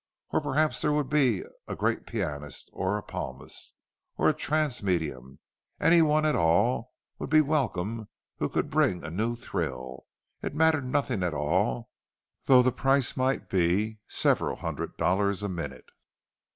Or perhaps there would be a great pianist, or a palmist, or a trance medium. Anyone at all would be welcome who could bring a new thrill—it mattered nothing at all, though the price might be several hundred dollars a minute.